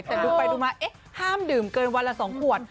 แต่ดูไปดูมาห้ามดื่มเกินวันละ๒ขวด